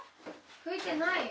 拭いてないよ。